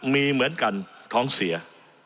มีเหมือนกันท้องเสีย